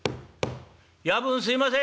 「夜分すいません！」。